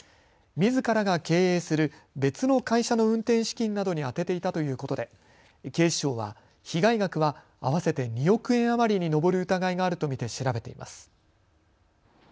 みずからが経営する別の会社の運転資金などに充てていたということで警視庁は被害額は合わせて２億円余りに上る疑いがあると見て調べています。